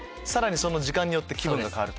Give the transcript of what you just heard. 時間によって気分が変わる。